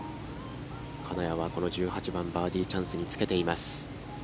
金谷は、この１８番バーディーチャンスにつけています。